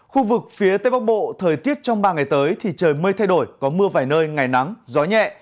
khu vực phía tây bắc bộ thời tiết trong ba ngày tới thì trời mây thay đổi có mưa vài nơi ngày nắng gió nhẹ